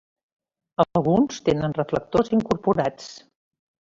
Alguns tenen reflectors incorporats.